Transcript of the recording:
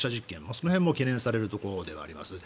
その辺も懸念されるところではあります。